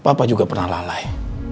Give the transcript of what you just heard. papa juga pernah lalai